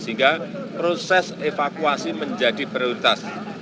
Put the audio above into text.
sehingga proses evakuasi menjadi prioritas